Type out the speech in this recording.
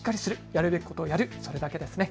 やるべきことをやる、それだけですね。